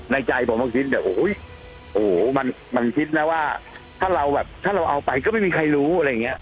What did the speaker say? ใจผมบางทีแบบโอ้โหมันคิดนะว่าถ้าเราแบบถ้าเราเอาไปก็ไม่มีใครรู้อะไรอย่างเงี้ย